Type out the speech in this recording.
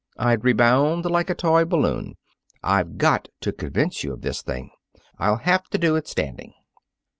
I'd rebound like a toy balloon. I've got to convince you of this thing. I'll have to do it standing."